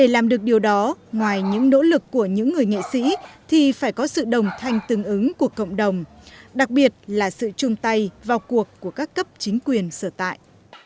làm được điều đó ngoài những nỗ lực của những người nghệ sĩ thì phải có sự đồng thanh tương ứng của cộng đồng đặc biệt là sự chung tay vào cuộc của các cấp chính quyền sở tại